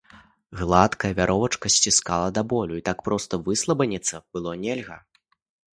Гладкая вяровачка сціскала да болю, і так проста выслабаніцца было нельга.